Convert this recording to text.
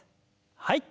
はい。